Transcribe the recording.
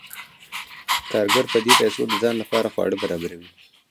کارګر په دې پیسو د ځان لپاره خواړه برابروي